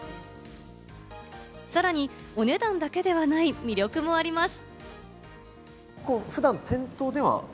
さらにお値段だけではない魅力もあります。